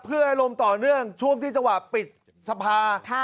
เพื่ออารมณ์ต่อเนื่องช่วงที่จังหวะปิดสภา